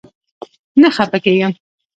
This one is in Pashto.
نه خپه کيږم